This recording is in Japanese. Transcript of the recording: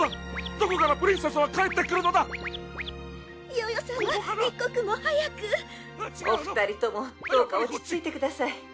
どこからプリンセスは帰ってくるのだ⁉ヨヨさま一刻も早く「お２人ともどうか落ち着いてください」